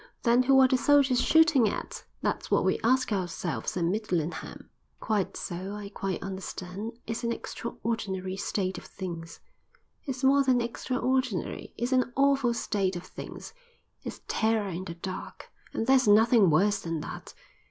Then who are the soldiers shooting at? That's what we ask ourselves at Midlingham." "Quite so; I quite understand. It's an extraordinary state of things." "It's more than extraordinary; it's an awful state of things. It's terror in the dark, and there's nothing worse than that.